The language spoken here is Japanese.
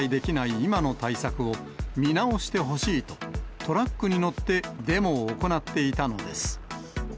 今の対策を見直してほしいと、トラックに乗ってデモを行っていたのです。